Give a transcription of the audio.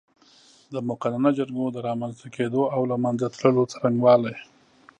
د مقننه جرګو د رامنځ ته کېدو او له منځه تللو څرنګوالی